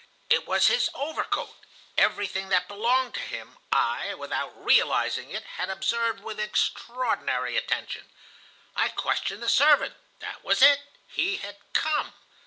It was his overcoat (everything that belonged to him, I, without realizing it, had observed with extraordinary attention). I questioned the servant. That was it. He had come.